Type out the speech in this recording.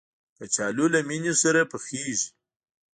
کچالو له مېنې سره پخېږي